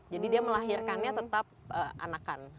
jadi dia melahirkannya tetap anakan